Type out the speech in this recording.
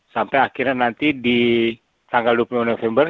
sampai akhirnya nanti di tanggal dua puluh lima november